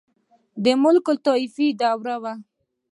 • د ملوکالطوایفي دوره وه.